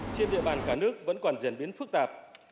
trên địa bàn cả nước vẫn còn diễn biến phức tạp